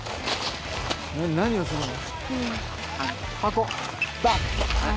「何をするの？」